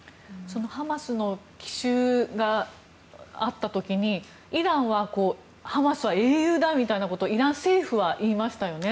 ハマスの奇襲があった時にイランはハマスは英雄だみたいなことをイラン政府は言いましたよね。